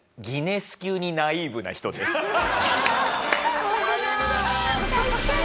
ギネス級にナイーブな人です。